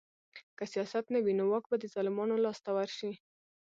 که سیاست نه وي نو واک به د ظالمانو لاس ته ورشي